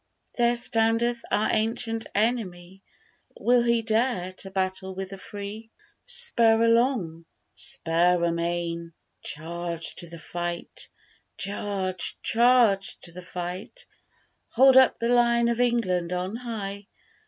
There standeth our ancient enemy; Will he dare to battle with the free? Spur along! spur amain! charge to the fight: Charge! charge to the fight! Hold up the Lion of England on high!